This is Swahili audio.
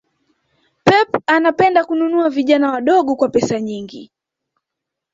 Pep anapenda kununua vijana wadogo kwa pesa nyingi